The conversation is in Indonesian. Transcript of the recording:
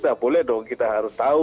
tidak boleh dong kita harus tahu